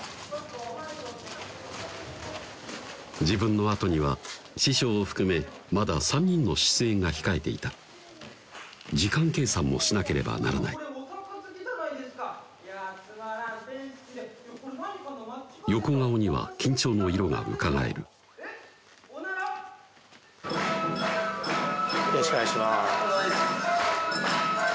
自分のあとには師匠を含めまだ３人の出演が控えていた時間計算もしなければならない横顔には緊張の色がうかがえるよろしくお願いします